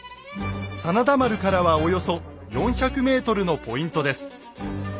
真田丸からはおよそ４００ｍのポイントです。